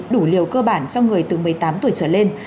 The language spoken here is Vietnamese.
đủ liều cơ bản cho người từ một mươi tám tuổi trở lên